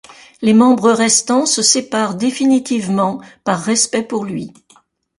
Les membres restants se séparent définitivement par respect pour lui.